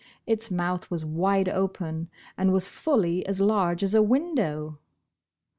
Its mouth was wide open, and was fully as large as a window!